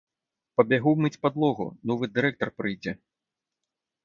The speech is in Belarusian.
Пабягу мыць падлогу, новы дырэктар прыйдзе.